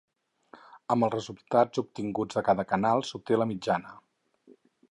Amb els resultats obtinguts de cada canal s'obté la mitjana.